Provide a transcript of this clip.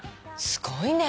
すごいね。